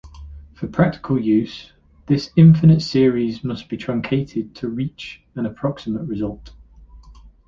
For practical use, this infinite series must be truncated to reach an approximate result.